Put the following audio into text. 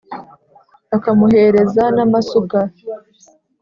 akamuhereza n ámasúka